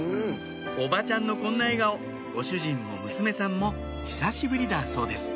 おばちゃんのこんな笑顔ご主人も娘さんも久しぶりだそうです